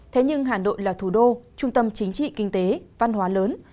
thế nhưng hà nội là thủ đô trung tâm chính trị kinh tế văn hóa lớn